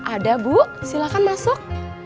ada bu silahkan masuk